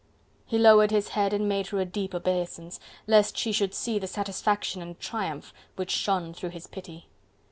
He lowered his head and made her a deep obeisance, lest she should see the satisfaction and triumph which shone through his pity.